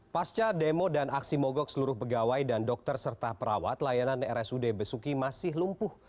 pasca demo dan aksi mogok seluruh pegawai dan dokter serta perawat layanan rsud besuki masih lumpuh